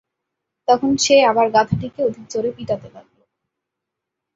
তখন সে আবার গাধাটিকে অধিক জোরে পিটাতে লাগল।